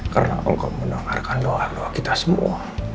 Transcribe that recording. karena engkau mendengarkan doa doa kita semua